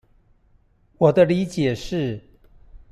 我的理解是